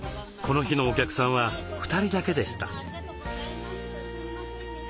この日のお客さんは２人だけでした。